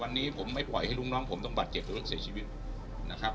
วันนี้ผมไม่ปล่อยให้ลูกน้องผมต้องบาดเจ็บหรือว่าเสียชีวิตนะครับ